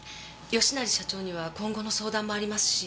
吉成社長には今後の相談もありますし。